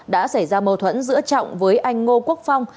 đã xảy ra mâu thuẫn giữa trọng với anh ngô quốc phong